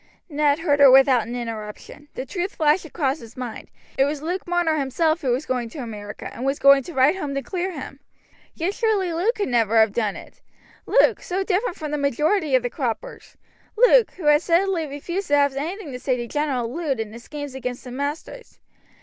Ned heard her without an interruption. The truth flashed across his mind. It was Luke Marner himself who was going to America, and was going to write home to clear him. Yet surely Luke could never have done it Luke, so different from the majority of the croppers Luke, who had steadily refused to have anything to say to General Lud and his schemes against the masters.